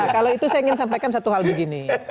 kalau itu saya ingin sampaikan satu hal begini